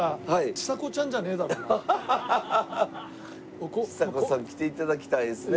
ちさ子さん来て頂きたいですね。